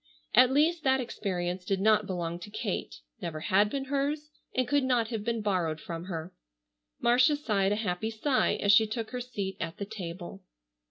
At least that experience did not belong to Kate, never had been hers, and could not have been borrowed from her. Marcia sighed a happy sigh as she took her seat at the table.